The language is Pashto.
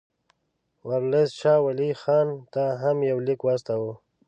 ورلسټ شاه ولي خان ته هم یو لیک واستاوه.